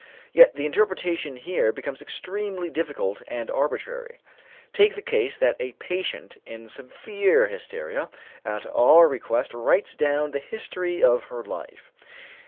Yet the interpretation here becomes extremely difficult and arbitrary. Take the case that a patient in severe hysteria at our request writes down the history of her life.